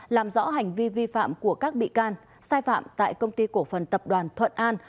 làm rõ hành vi vi phạm của các bị can sai phạm tại công ty cổ phần tập đoàn thuận an